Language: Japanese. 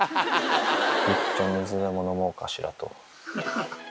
いっちょ、水でも飲もうかしらと。